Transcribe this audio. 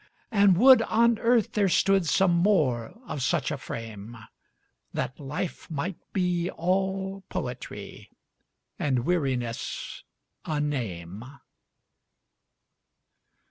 and would on earth there stood some more of such a frame, That life might be all poetry, and weariness a name.